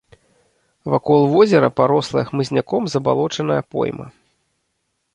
Вакол возера парослая хмызняком забалочаная пойма.